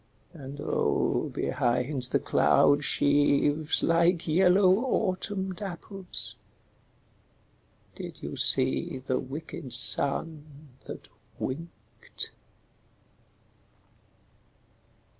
And oh, behind the cloud sheaves, like yellow autumn dapples, Did you see the wicked sun that winked?